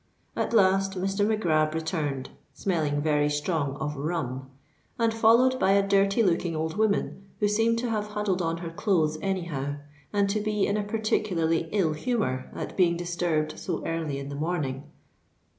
At last Mr. Mac Grab returned, smelling very strong of rum, and followed by a dirty looking old woman, who seemed to have huddled on her clothes anyhow, and to be in a particularly ill humour at being disturbed so early in the morning.